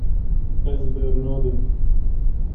Ez bernadim.